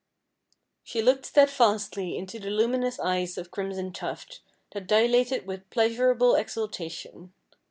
She looked steadfastly into the luminous eyes of Crimson Tuft, that dilated with pleasurable exultation.